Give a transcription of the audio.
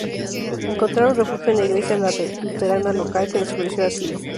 Encontraron refugio en la Iglesia luterana local que les ofreció asilo.